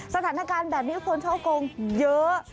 สถานการณ์แบบนี้คนช่อกงเยอะ